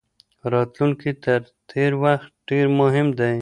راتلونکی تر تیر وخت ډیر مهم دی.